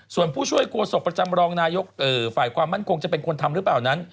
ส่วนผู้ช่วยโฆษกประจำรองนายกฝ่ายความมั่นคงจะเป็นคนทำหรือเปล่านั้น